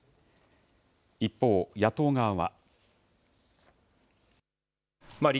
一方、野党側は。